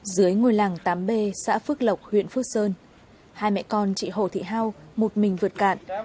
dưới ngôi làng tám b xã phước lộc huyện phước sơn hai mẹ con chị hồ thị hao một mình vượt cạn